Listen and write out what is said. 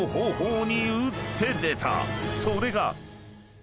［それが］